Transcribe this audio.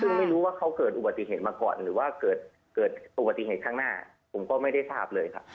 ซึ่งไม่รู้ว่าเขาเกิดอุบัติเหตุมาก่อนหรือว่าเกิดอุบัติเหตุข้างหน้าผมก็ไม่ได้ทราบเลยครับ